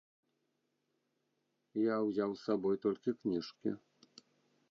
Я ўзяў з сабой толькі кніжкі.